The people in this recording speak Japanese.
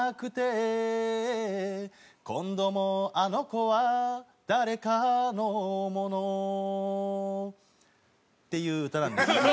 「今度もあの娘は誰かのもの」っていう歌なんですけど。